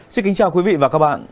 xin kính chào quý vị và các bạn